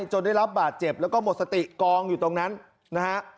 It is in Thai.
จนได้รับบาดเจ็บแล้วก็หมดสติกองอยู่ตรงนั้นนะฮะ